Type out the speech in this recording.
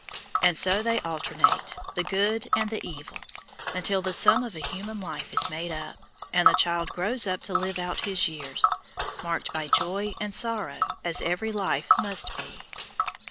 And so they alternate, the good and evil, until the sum of a human life is made up, and the child grows up to live out his years, marked by joy and sorrow as every life must be.